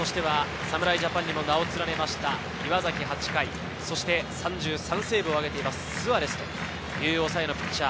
侍ジャパンにも名を連ねた岩崎８回、３３セーブを挙げているスアレスという抑えのピッチャー